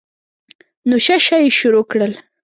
نو شه شه یې شروع کړل.